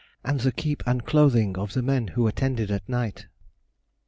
and the keep and clothing of the men who attended at night.